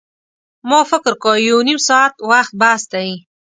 ما فکر کاوه یو نیم ساعت وخت بس دی.